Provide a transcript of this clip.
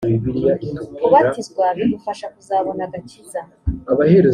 kubatizwa bigufasha kuzabona agakiza .